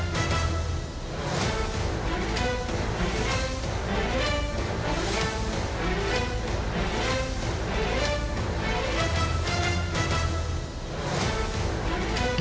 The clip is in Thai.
โปรดติดตามตอนต่อไป